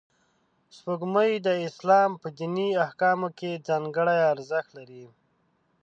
سپوږمۍ د اسلام په دیني احکامو کې ځانګړی ارزښت لري